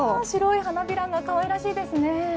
白い花びらが可愛らしいですね。